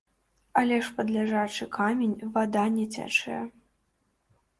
Але ж пад ляжачы камень вада не цячэ!